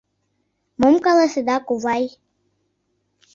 Мом каласеда, кувай?